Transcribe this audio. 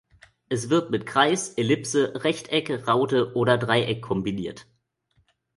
Es wird mit Kreis, Ellipse, Rechteck, Raute oder Dreieck kombiniert.